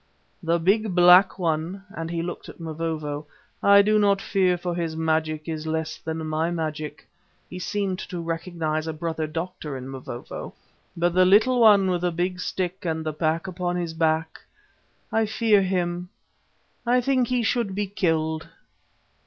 The big black one," and he looked at Mavovo, "I do not fear, for his magic is less than my magic," (he seemed to recognise a brother doctor in Mavovo) "but the little yellow one with the big stick and the pack upon his back, I fear him. I think he should be killed."